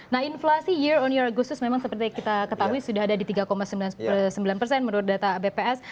nah inflasi year on year khusus memang seperti kita ketahui sudah ada di tiga sembilan puluh sembilan persen menurut data bps